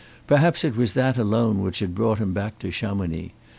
Perhaps it was that alone which had brought him back to Chamonix.